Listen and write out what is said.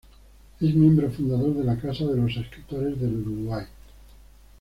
Es miembro fundador de la Casa de los Escritores del Uruguay.